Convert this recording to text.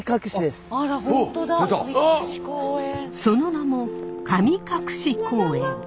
その名も神隠公園。